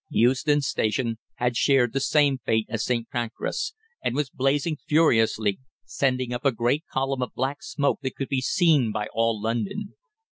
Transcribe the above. Euston Station had shared the same fate as St. Pancras, and was blazing furiously, sending up a great column of black smoke that could be seen by all London.